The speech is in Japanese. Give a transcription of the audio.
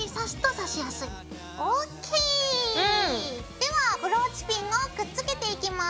ではブローチピンをくっつけていきます。